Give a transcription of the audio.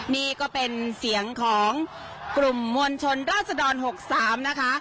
นี่ก็เป็นเสียงของกลุ่มมวลชนราชดร๖๓นะคะ